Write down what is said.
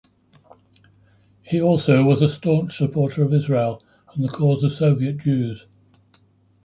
He also was a staunch supporter of Israel and the cause of Soviet Jews.